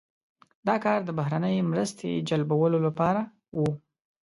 دا کار د بهرنۍ مرستې جلبولو لپاره و.